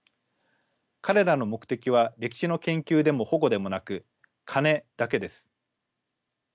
彼らの目的は歴史の研究でも保護でもなく金だけです。